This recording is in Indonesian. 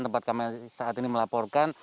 tempat kami saat ini melaporkan